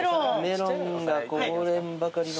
メロンがこぼれんばかりの。